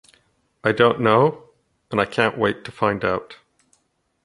I don't know and I can't wait to find out